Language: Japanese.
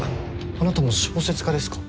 あなたも小説家ですか？